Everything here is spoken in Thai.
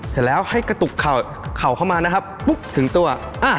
เสร็จแล้วให้กระตุกเข่าเข้ามานะครับปุ๊บถึงตัว